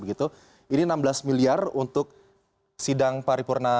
ini enam belas miliar untuk sidang paripurna